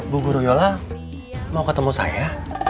bu guruyola mau ketemu saya